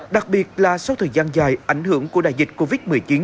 đặc biệt là sau thời gian dài ảnh hưởng của đại dịch covid một mươi chín